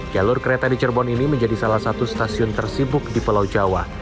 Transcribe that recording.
jalur kereta di cirebon ini menjadi salah satu stasiun tersibuk di pulau jawa